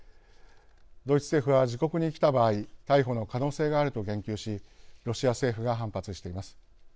ドイツ政府は自国に来た場合逮捕の可能性があると言及しロシア政府が反発しています。